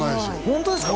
ホントですか？